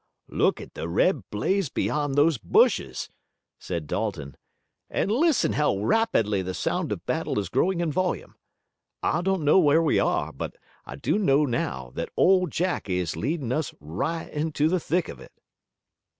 "Look at the red blaze beyond those bushes," said Dalton, "and listen how rapidly the sound of the battle is growing in volume. I don't know where we are, but I do know now that Old Jack is leading us right into the thick of it."